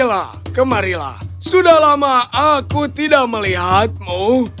bella kemarilah sudah lama aku tidak melihatmu